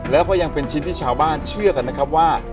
แล้วก็ยังเป็นชิ้นที่ชาวบ้านเชื่อกันนะครับว่า